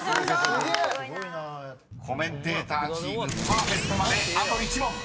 ［コメンテーターチームパーフェクトまであと１問］